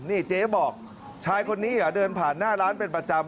นี่เจ๊บอกชายคนนี้เหรอเดินผ่านหน้าร้านเป็นประจำ